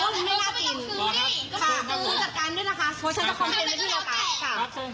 คุณคอมเพลงด้วยฉันจะคอมเพลงไปที่โลกราศ